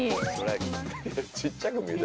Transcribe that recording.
ちっちゃく見える。